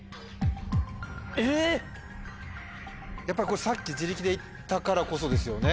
やっぱりこれさっき自力で行ったからこそですよね？